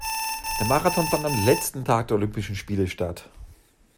Der Marathon fand am letzten Tag der Olympischen Spiele statt.